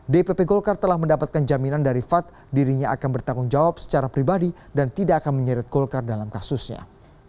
dpp golkar telah mendapatkan jaminan dari fad dirinya akan bertanggung jawab secara pribadi dan tidak akan menyeret golkar dalam kasusnya